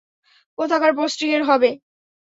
কোথাকার পোস্টিং এর হবে?